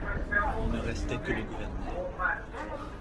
Il ne restait que le gouvernail.